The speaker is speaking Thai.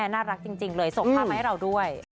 น่ารักจริงเลยส่งภาพมาให้เราด้วย